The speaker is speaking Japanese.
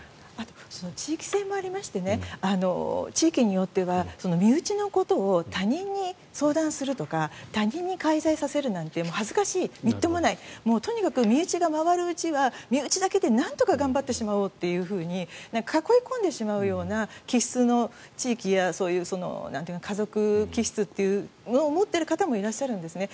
地域性もありまして地域によっては身内のことを他人に相談するとか他人に介在させるなんて恥ずかしい、みっともないとにかく身内が回るうちは身内だけでなんとか頑張ってしまおうと囲い込んでしまうような気質の地域やそういう家族気質というのを持ってる方もいらっしゃるんですね。